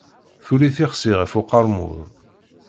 Tuli tixsi ɣef uqermud.